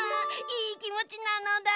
いいきもちなのだ！